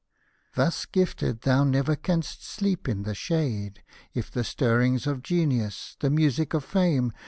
Thus gifted, thou never canst sleep in the shade ; If the stirrings of Genius, the music of fame.